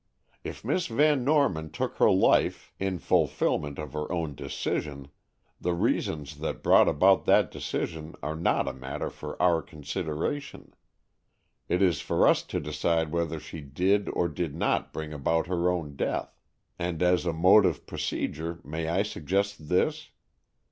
If Miss Van Norman took her life in fulfilment of her own decision, the reasons that brought about that decision are not a matter for our consideration. It is for us to decide whether she did or did not bring about her own death, and as a mode of procedure may I suggest this?